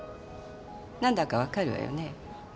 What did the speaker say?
何だかわかるわよね？